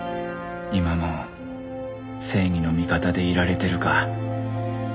今も正義の味方でいられてるか？